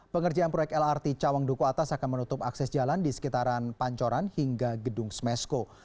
pengerjaan proyek lrt cawang duku atas akan menutup akses jalan di sekitaran pancoran hingga gedung smesko